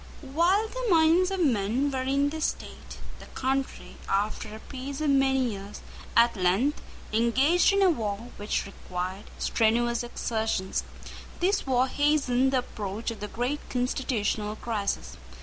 While the minds of men were in this state, the country, after a peace of many years, at length engaged in a war which required strenuous exertions. This war hastened the approach of the great constitutional crisis.